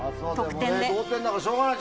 同点ならしょうがない。